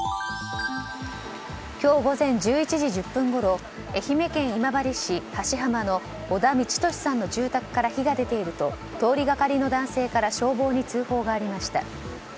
今日午前１１時１０分ごろ愛媛県今治市波止浜の小田道人司さんの住宅から火が出ていると通りがかりの男性から消防に通報がありました。